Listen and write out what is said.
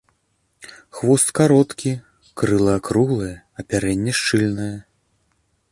Хвост кароткі, крылы акруглыя, апярэнне шчыльнае.